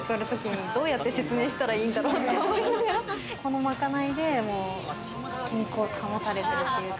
このまかないで健康保たれてるっていうか。